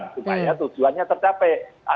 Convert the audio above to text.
supaya tujuannya tercapai